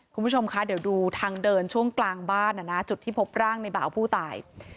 คุณผู้ชมคะเดี๋ยวดูทางเดินช่วงกลางบ้านจุดที่พบร่างในบ่าวผู้ตาย